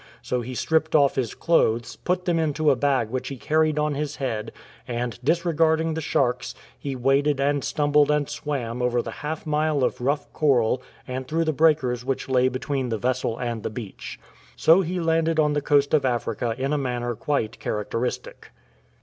So he stripped off his clothes, put them into a bag which he carried on his head, and disregarding the sharks, he w^aded and stumbled and swam over the half mile of rough coral and through the breakers which lay between the vessel and the beach. So he landed on the coast of Africa in a manner quite characteristic.'"